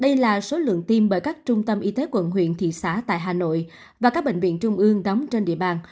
đây là số lượng tiêm bởi các trung tâm y tế quận huyện thị xã tại hà nội và các bệnh viện trung ương đóng trên địa bàn